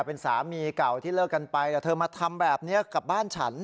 เป็นสามีเก่าที่เลิกกันไปแต่เธอมาทำแบบนี้กับบ้านฉัน